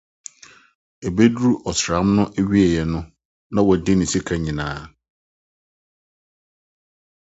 Ebedu ɔsram no awiei no, na wadi ne sika nyinaa.